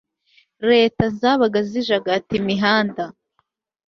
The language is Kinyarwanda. leta zabaga zijagata imihanda